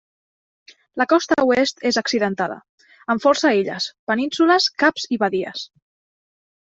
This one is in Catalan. La costa oest és accidentada, amb força illes, penínsules, caps i badies.